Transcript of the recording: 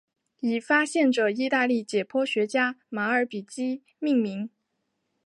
以发现者意大利解剖学家马尔比基命名。